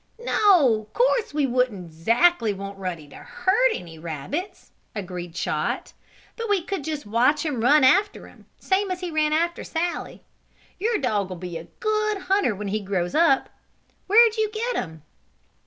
"No, course we wouldn't 'zactly want Ruddy to hurt any rabbits," agreed Chot. "But we could just watch him run after 'em, same as he ran after Sallie. Your dog'll be a good hunter when he grows up. Where'd you get him?"